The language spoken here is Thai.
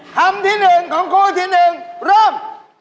คำที่หนึ่งของครูที่หนึ่งเริ่ม